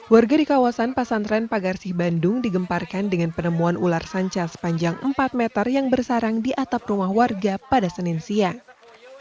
warga di kawasan pesantren pagarsih bandung digemparkan dengan penemuan ular sanca sepanjang empat meter yang bersarang di atap rumah warga pada senin siang